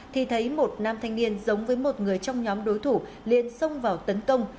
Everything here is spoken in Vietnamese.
thì thấy một nam thanh niên giống với một người trong nhóm đối thủ liên xông vào tấn công